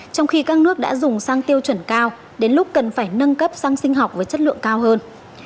trong khi các nước đã dùng xăng tiêu chuẩn cao đến lúc cần phải nâng cấp sang sinh học với chất lượng cao hơn